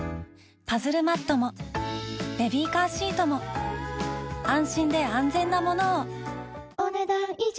パズルマットもベビーカーシートも安心で安全なものをお、ねだん以上。